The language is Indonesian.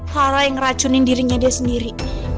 clara yang ngeracunin dirinya dia sendiri